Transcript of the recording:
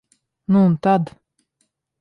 Nu un tad?